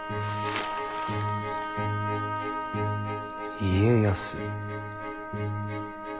「家康」。